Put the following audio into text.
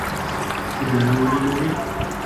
اداره ونه لري.